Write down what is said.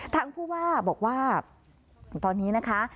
ทางผู้ว่าบอกว่าตอนนี้นะคะ